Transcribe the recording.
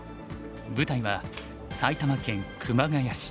舞台は埼玉県熊谷市。